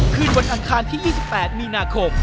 คืนวันอังคารที่๒๘มีนาคม